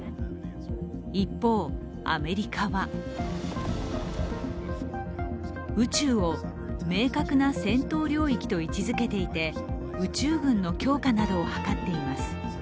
一方、アメリカは宇宙を明確な戦闘領域と位置づけていて宇宙軍の強化などを図っています。